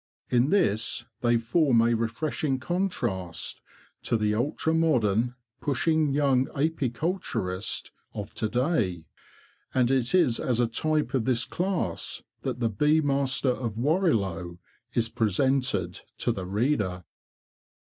In this they form a refreshing contrast to the ultra modern, pushing young apiculturist of to day; and it is as a type of this class that the Bee Master of Warrilow is presented to the reader.